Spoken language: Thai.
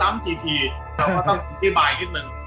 เราก็ต้องพิมพ์ให้นิดหนึ่ง